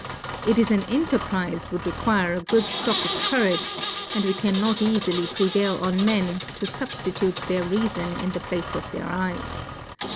It is an Encerprize would re quire a good Stock of Courage, and we cannot eafily prevail on Men, to fiibltitute their Reaton in the Place of their Eyes.